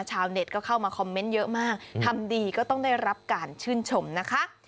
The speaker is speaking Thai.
ชาวเน็ตก็เข้ามาคอมเมนต์เยอะมากทำดีก็ต้องได้รับการชื่นชมนะคะ